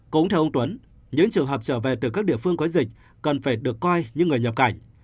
cũng theo ông tuấn những trường hợp trở về từ các địa phương có dịch cần phải được coi như người nhập cảnh